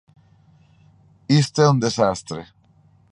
Isto é un desastre.